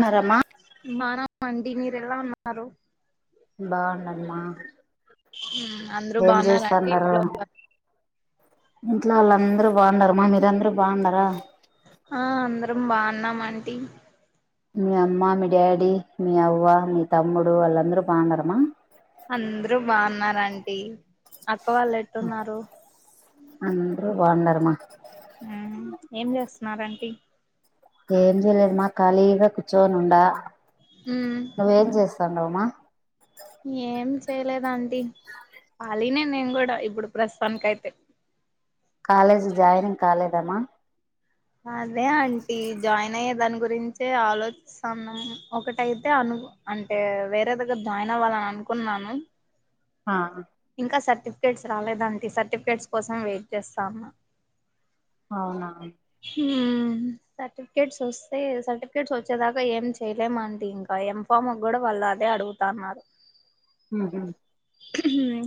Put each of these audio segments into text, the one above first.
మరమా మండి మీరు ఎలా ఉన్నారు బాగుందమ్మా అందరు బాగున్నాలంటడి చేస్తాన్నారు ఇంట్లో ఇంట్లో వాళ్ళందరు బాగున్నారా అమ్మ మీర అందరు ఆ అందరం బాగున్నాం మండి మీ అమ్మ మీ డాడీ మీ అవ్వ మీ తమ్ముడు వాళ్ళందర బాగున్నారా మా అందరు బాగున్నారా ఆంటీ అక్క వాళ్ళు ఎట్టున్నారు బాగున్నారు మా ఆ ఏం చేస్తున్నారంటీ ఏం చేయలేదుమ్మా ఖాళీగా కూర్చోని ఉడా ఉమ్ నువ్వేం చేస్తా స్తాండమ్మా ఏం చేయలేదాంటీ ఆలీనే నేను కూడా ఇప్పుడు ప్రస్తుతానికియితే కాలేజీ జాయినింగ్ కాలేదమ్మా అదే అంటీ జాయిన్ అయ్యేదానికి గురించి ఆలోచిస్తాన్నాం ఒకటైతే అను అంటే వేరే వేరే జాయిన్ అవ్వాలని అనుకు కున్నాను ఆ సర్టిఫికేట్స్ రాలేదంటి సర్టిఫికేట్స్ కోసం వెయిట్ చేస్తా ఉన్నా అవునా సర్టిఫికేట్స్ వస్తే సర్టిఫికేట్స్ వచ్చేదాకా ఏం చేయలేమండి ఇంకా ఏం ఫామ్ కూడా వాళ్ల దే అడుగుతాన్నారు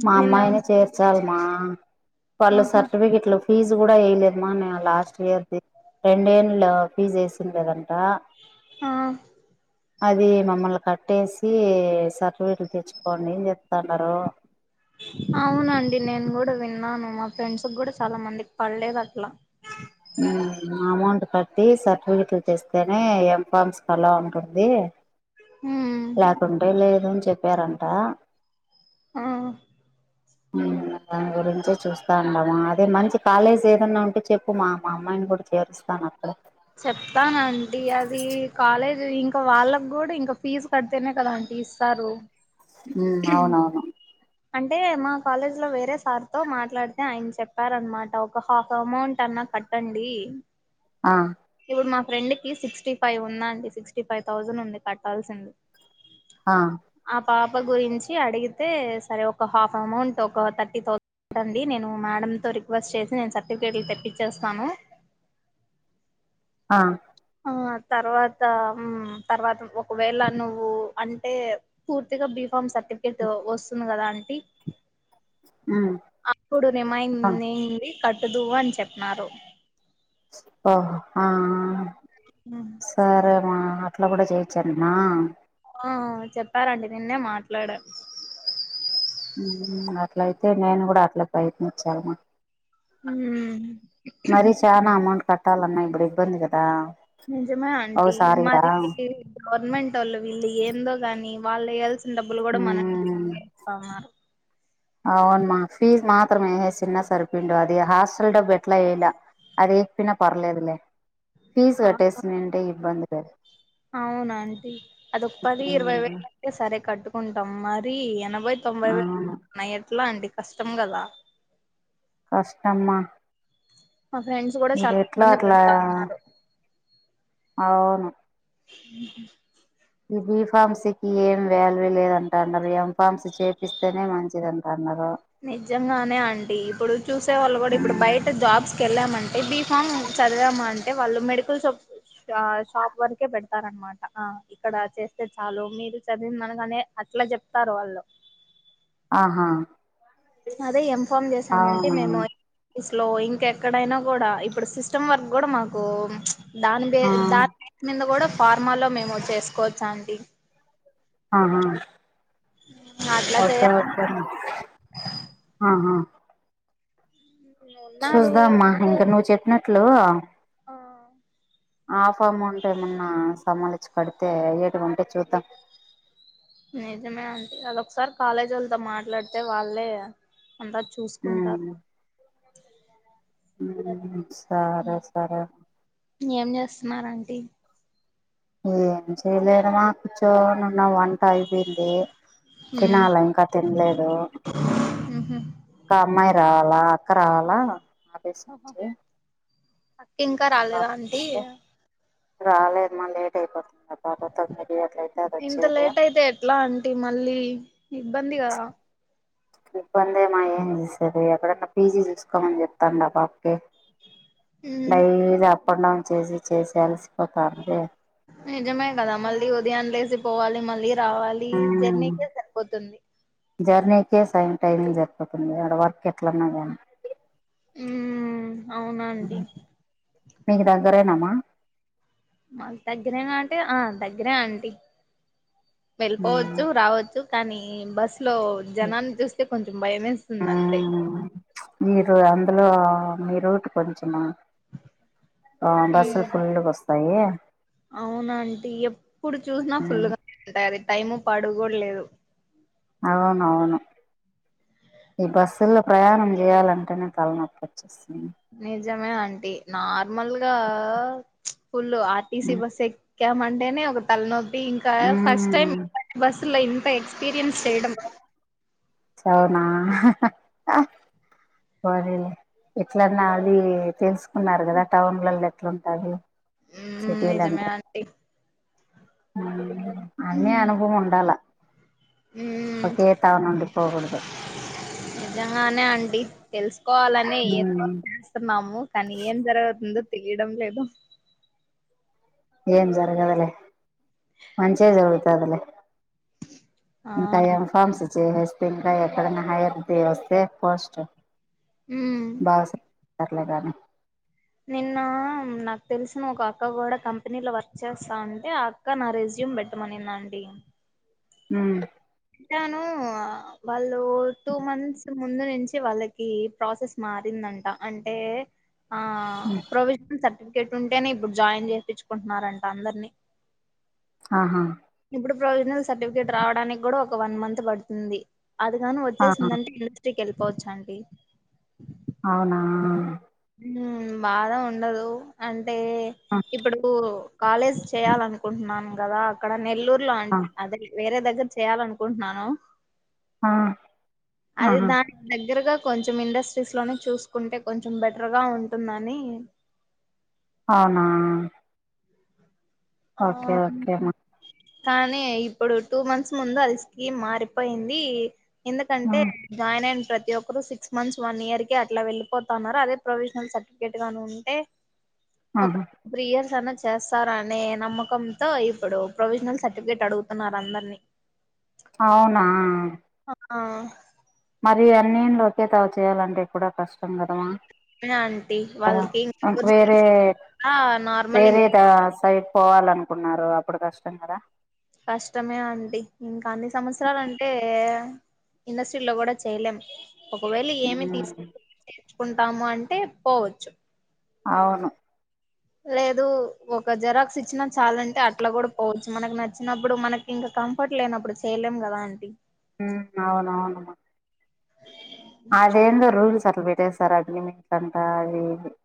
మా నిన్న అమ్మాయి చేేర్చాలమా పళ్లు ఆహా సర్టిఫికెట్లు ఫీజు కూడా వేయలేదమ్మా నీ లాస్ట్ ఇయర్ ఫీ రెండేళ్ళ ఫీజ్ ఏసిండు కదా అమ్మ ఆ అది మమ్మల్ని కట్టేసి సర్టిఫీట్లు తెచ్చుకోండి చెప్తన్నారు అవునండి నేను కూడ వి న్నాను మా ఫ్రెండ్స్ కూడా చాలా మంది పలేదు అట్లా అమౌంట్ కట్టి సర్టిఫికెట్లు చేస్తేనే ఎం ఫామ్స్ కి ఆలోఉంటుంది ఉమ్ లేకుంటే లేదు అని చెప్పారంట ఆ దాని గురించే చూస్తా ఉన్నాము అదే మంచి కాలేజ్ ఏదన్నా ఉంటే చెప్ప ప్పు మా అమ్మాయిని కూడా చేరుస్తాను అక్కడ చెప్తానండి అది కాలేజ్ ఇంకా ఇంకా వాళ్ళకి కూడా ఇంకా ఫీజు కడితేనే కదా అంటీ ఇస్తారు ఉ అవునవును అంటే మా కాలేజ్ లో వేరే సార్ తో మాట్లాడితే ఆయన చెప్పారనమాట ఒక హాఫ్ అమౌంట్ అన్న మా కట్టండి ఆ ఇప్పుడు మాకు ఫ్రెండ్ కి సిక్స్టీ ఫైవ్ ఉందా అండి సిక్స్టీ ఫైవ్ థౌజండ్ ఉంది కట్టాల్సింది ఆ ఆ పాప గురించి అడిగితే సరే ఒక హాఫ్ అమౌంట్ ఒక థర్టీ థౌ సండ్ నేను మేడంతో రిక్వెస్ట్ చేసి నేను సర్టిఫికేట్లు తెప్పిచ్చేస్తాను ఆ ఆ తర్వాత మ్ తర్వాత ఒకవేళ నువ్వు అంటే పూర్తిగా బి కం సర్టిఫికెట్ వస్తుంది కదా అంటి మ్మ్ అప్పుడు ఆ రిమైనింగ్ ది కట్టుదు అని చెప్పనరు ఓ ఆ ఆ సరే ఆ అట్లా కూడా చెయ్యొచ్చటనా ఆ చెప్పారండి నిన్నే మాట్లాడా అట్లయితే నేను కూడా అట్లా ప్రయత్నిచాల్నా మ్ మరీ చానా అమౌంట్ కట్టాలన్న ఇప్పుడు ఇబ్బంది కదా నిజమే ఆంటీ ఓసారిగా మరి గవర్నమెంట్ వాళ్ళు వీళ్ళు ఏందో గాని వాళ్ళు వేయాల్సిన డబ్బులు కూడా ఉమ్ మనమీదనే ఏస్తా ఉన్నారు అవునుమా ఫీజు మాత్రమే ఏసేసున్న సరిపిండు అది హాస్టల్ డబ్బు ఎట్లా వెయలా అది ఎయకపోనా పర్లేదులే ఫీజు కట్టేసిందంటే ఇబ్బంది లేదు అవునాంటీ అది పది ఇరవై ఉమ్ వేలు అయితే సరే కట్టుకుంటాం మరి ఏనా బై తొంభై అవును వేయిలున్నాయి ఎట్లా అంటి కష్టం కదా కష్టమ్మా మా ఫ్రెండ్స్ కూడా ఇది చాలా ఎట్లా ఇబ్బంది అట్లా పడుతా ఉన్నారు అవును హ ఈ బి ఫార్మ్స్ కి ఏం వాల్యూ లేదంటా అన్నారు ఎం ఫార్మ్స్ చేపిస్తేనే మంచిది అంటన్నారు నిజంగానే అంటి ఇప్పుడు చూసే వాళ్ళు కూడా ఇప్పుడు బయట జాబ్స్ వెళ్ళామంటే బి ఫామ్ చదివామంటే వాళ్ళు మెడికల్ షాప్ ష షాప్ వరకే పెడుతారన్నమాట ఆ ఇక్కడ చేస్తే చాలు మీరు చదివిందనగానే ఆ అట్లా చెప్తారు వాళ్ళు ఆహా అదే ఎంన్ఫామ్ చేసామంటే అవునా మేము స్లో ఇంకెక్కడైనా కూడా ఇప్పుడు సిస్టమ్ వర్క్ కూడా మాకు దాని బే ఆ దాని బేస్ మీద కూడా ఫార్మా లో మేము చేసుకోవచ్చు అంటి ఆహా అట్లా చేయాలంటే అహ ఉన్నారు చూదామ్మా ఇంక నువ్వు చెప్పినట్లు ఆ ఆఫ్ అమౌంట్ ఏమన్నా సమాలోచ్చి కడితే కడితే అయ్యేటి వుంటే చూద్దాం నిజమే అంటి అది ఒకసారి కాలేజీ వాళ్లతో మాట్లాడితే వాళ్ళే అంత చూసుకుంటారు మ్మ్ మ్ సరే సరే ఏం చేస్తున్నారు అంటీ ఏం చేయలేదు మా కూర్చోను న వంట అయిపోయింది ఉమ్ తినాలే ఇంకా తినలేదు ఉహు అక్క అమ్మాయి రావాలా అక్క రావాలా ఆఫీస్ ఓహో నుంచి అక్క ఇంకా రాలేదా అంటీ రాలేమ లేట్ అయిపోతుంది అది ఇంత వచ్చేది లేట్ అయితే ఎట్లా అంటీ మళ్ళీ ఇబ్బంది కదా ఇబ్బందే మా ఏం చేసారు ఎక్కడన్నా పీజీ చూసుకోమని చెప్తాండా పాపకి ఉమ్ డైలీ అప్ అండ్ డౌన్ చేసి చేసి అలసిపోతాంది నిజమే కదా మళ్ళీ ఉదయం లేసి పోవాలి మళ్ళీ రావాలి ఉమ్ జర్నీకే సరిపోతుంది ఒకే సాయం టైమింగ్ జరిపోతుంది అడ వర్క్ ఎట్లన్నా కానీ హ్మ్ అవునండి మీకు దగ్గరేనామ్మా మ దగ్గరేనా అంటే ఆ దగ్గరే ఆంటీ ఉమ్ వెళ్ళిపోవచ్చు రావచ్చు కానీ బస్సు ఇట్లో జనాన్ని చూస్తే కొంచెం భయం వేస్తుంది అంటే మీరు అందులో మీ రూట్ కొంచెం బస్సులు ఫుల్ వస్తాయి అవును ఆంటీ ఎప్పుడు చూసినా ఫుల్గా ఉంటాయి అది టైము పాడు కూడా లేదు అవునవును ఈ బస్సుల్లో ప్రయాణం చేయాలంటేనే తలనొప్పి వచ్చేస్తాది నిజమే అంటీ నార్మల్గా ఫుల్ ఆర్టీసీ బస్ యే ఎక్కం అంటేనే ఒక తలనొప్పి ఇంకా ఫస్ట్ టైమ్ మ్మ్ లీఫ్ లో ఇంత ఎక్స్పీరియన్స్ చేయడం అవునా పోనీలే ఎట్లన్నా అది తెలుసుకున్నారు కదా టౌన్లలో ఎట్లాంటరు నిజమే ఆంటీ అన్నే అనుభవం ఉండాల ఉమ్ ఓకే తవ నుండి పోకుడదు నిజంగానే ఆంటీ తెలుసుకోవాలని ఎంతో చేస్తున్నాము కానీ ఏం జరుగుతుంది తీయడం లేదు ఏం జరగదులే మంచే జరుగుతుదిలే ఆ ఇంకా ఏం ఫామ్స్ చేసేస్తే ఇంకా ఎక్కడనా హైర్ తీ వస్తే పోస్ట్ ఉమ్ బా సర్లే కానీ నిన్న నాకు తెలిసిన ఒక అక్క కూడా కంపెనీలో వర్క్ చేస్తా అంటే ఆ అక్క నా రేస్ పెట్టమనింది అండి మ్మ్ అంటాను వాళ్ళు టూ మంత్స్ ముందు నుంచి వాళ్ళకి ప్రాసెస్ మారింది అంట అంటే ఆ ప్రొవిజన్ సర్ ర్ఫికెట్ ఉంటేనే ఇప్పుడు జాయిన్ చేయిచ్చుకుంటున్నారంట అందరినీ ఆహా ఇప్పుడు ప్రొవిజనల్ సర్టిఫికేట్ రావడానికి కూడా ఒక వన్ మంత్ పడుతుంది అదిగాని ఆహా వచ్చేసిందంటే ఇండస్ట్రీకి వెళ్ళిపోవచు అండి అవునా బాగా ఉండదు అంటే ఇప్పుడు కాలేజ్ చేయాల అనుకుంటున్నాను కదా అక్కడ నెల్లూరు లో ఆహా అంటే అది వేరే దగ్గర దగ్గ చేయాలనుకుంటున్నాను అది దాని దగ్గరగా కొంచెం ఇండస్ట్రీస్ లోనే చూసుకుంటే కొంచెం బెటర్గా ఉంటుందని అవునా ఆ ఓకే ఓకే అమ్మా [inaudible] కానీ ఇప్పుడు టూ మంత్స్ ముందు అది స్కీమ్ మారిపోయింది. ఎందుకంటే జాయిన్ అయిన ప్ర ప్రతి ఒక్కరు సిక్స్ మంత్స్ వన్ ఇయర్ కే అట్లా వెళ్లిపోతన్నారు, అదే ప్రొవిజనల్ సర్టిఫికేట్ గాని ఉంటే? ఒక త్రీ ఇయర్స్ అన్న చేస్తార నే నమ్మకంతో ఇప్పుడు ప్రొవిజనల్ సర్టిఫికేట్ అడుగుతన్నారు అందరినీ. అవునా ఆ మరి అన్నేన్లు ఒకే తావు చేయాలంటే కూడా కష్టం కదమ్మా ఆంటీ [unintelligible] వాళ్ళకి మాక్వేరే ఆ నార్మల్ వేరే ఇంక [unintelligible] సై. పోవాలనుకున్నారు అప్పుడు కష్టం కదా! కష్టమే అండి ఇంకా అన్ని సంవత్సరాలు అంటే ఇండస్ట్రీలో కూడా చేయలేం ఒకవేళ ఏమి తీస్ [inaudible] చ్చుకుంటాము అంటే పోవచ్చు అవును లేదు ఒక జరాక్స్ ఇచ్చినా చాలంటే అట్లా కూడా పోవచ్చు. మనకు నచ్చినప్పుడు మనకి ఇంకా. కంఫర్ట్ లేనప్పుడు చేయలేం కదా అంటీ వు అవునవునుమ్మా చే అదేందో రూల్స్ అట్లా పెట్టేస్తారు అగ్రిమెంట్లంట అది. [unintelligible]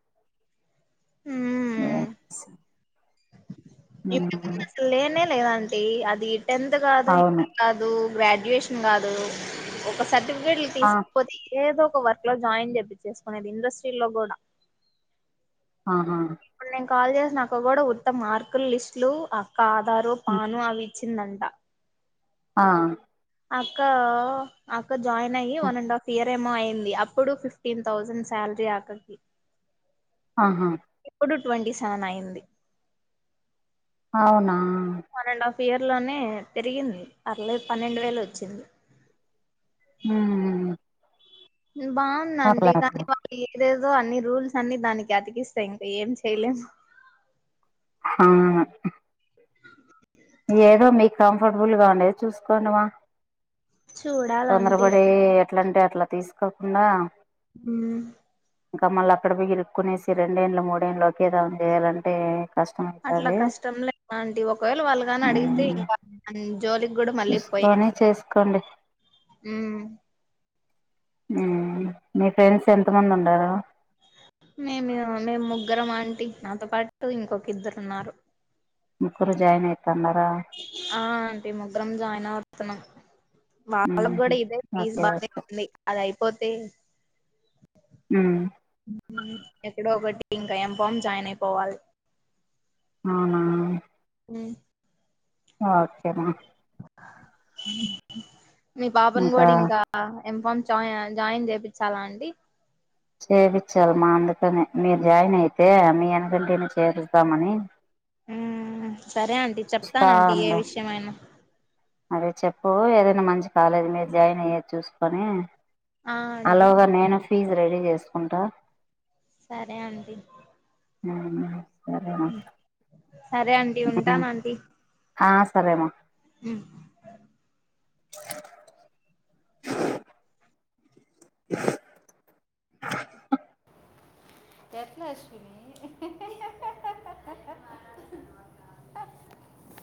మ్మ్ అ ఇ [unintelligible] అసలు లేనే లేదంటీ, అది టెన్త్ కాదు ఇం అవును [inaudible] కాదు. గ్రాడ్యుయేషన్ కాదు ఒక సర్టిఫికేట్లు ఆ తీసుకపోతే ఏదో. [unintelligible] వర్క్ లో జాయిన్ చెప్పిసుకునేది ఇండస్ట్రీ లో గుడా. ఆహా కాల్ చేసిన అక్క కూడా ఉత్త మార్కులిస్టులు, అక్క ఆధారు, పాను అవి. చ్చిందంట ఆ అక్క, అక్క జాయినయ్యి వన్ అండ్ హాఫ్ ఇయర్ ఏమో అయింది. అప్పుడు ఫిఫ్టీన్ తౌసెండ్ సాల్. రి అక్కకి ఆహా ఇప్పుడు ట్వంటీ సెవెన్ అయ్యింది అవునా వన్ అండ్ హాఫ్ ఇయర్ లోనే పెరిగింది, పర్లేదు పన్నెండు వేలు వచ్చింది. హు హు హు బాగుందాంటీ కానీ వాళ్ళకి దేదో అన్ని రూల్స్ అన్ని దానికి అతికిస్తాయి. ఇంకా ఏం చెయలేము, హ ఏదో మీకు కంఫర్టబుల్ గా ఉండేది చూసుకోండిమా. చూడాలంటీ తొందరపడి ఎట్లాంటేట్లా తీసుకోకుండా. హు ఇంకా మళ్ళ అక్కడ పోయి ఇరుక్కునేసి రెండేండ్లు, మూడేండ్లు ఒకే దాంట్లో చేయాలంటే! కష్టం అట్లా అవుతది కష్టం లే [unintelligible] ఆంటీ ఒకవేళ వాళ్ళుగాని అడిగితే మ్మ్ ఇంక. [unintelligible] జోలికి కూడా మళ్ళీ చూసుకొని పోయేది లే చేసుకోండి [inaudible] ఉమ్ మ్మ్ మీ ఫ్రెండ్స్ ఎంత మంది ఉండారు? మేము, మేము ముగ్గురం ఆంటీ నాతో పాటు ఇంకొక ఇద్దరున్నారు. ముగ్గురు జాయిన్ అయ్ ఆ అంటీ ముగ్గురం జాయిన్ అవుతున్నాం మ్మ్ వాళ్లకు హు కూడా ఇదే ఫీజు ఓకే బానే ఓకే ఉంది అది అయిపోతే మ్మ్ ఎక్కడో ఒకటి ఇంకా ఎంఫామ్ జాయిన్ అయిపోవాలి అవునా ఉ ఓకే రా మీ పాపని కూడా ఇంకా ఎం ఫామ్ జాయిన్ జాయిన్ చేపించాలండి చేపిచ్చాల మా అందుకనె మీరు జాయిన్ అయితే మీ వెనకింటినే చేరుద్దామని ఉ సరే ఆంటీ చెప్తాన్ ఆంటీ ఏ ఉండు విషయమైనా అదే చెప్పు ఏదైనా మంచి కాలేజీ మీరు జాయిన్ అయ్యేది చూసుకొని ఆ అంటీ ఆలోగా నేను ఫీజ్ రెడీ చేసుకుంటా సరే ఆంటీ ఉ ఉ సరే మ సరే ఆంటీ ఉంటాను ఆంటీ ఆ సరే మా ఉ [inaudible] ఎట్ల అశ్విని [inaudible]